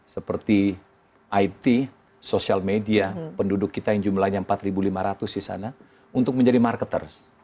seperti it sosial media penduduk kita yang jumlahnya empat lima ratus di sana untuk menjadi marketer